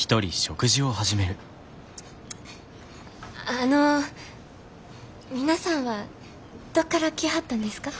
あの皆さんはどっから来はったんですか？